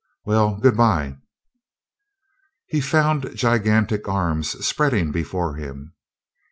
Well, good by!" He found gigantic arms spreading before him.